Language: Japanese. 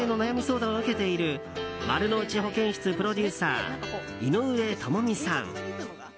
相談を受けているまるのうち保健室プロデューサー井上友美さん。